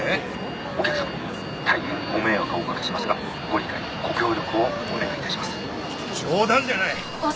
お客さまに大変ご迷惑をお掛けしますがご理解ご協力をお願いいたします。